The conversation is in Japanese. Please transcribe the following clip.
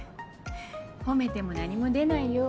褒めても何も出ないよ？